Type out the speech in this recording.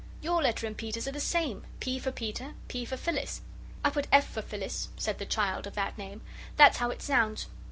Your letter and Peter's are the same. P. for Peter, P. for Phyllis." "I put F. for Phyllis," said the child of that name. "That's how it sounds.